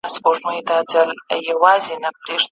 پاکه خاوره به رانجه کړم په کوڅه کي د دوستانو.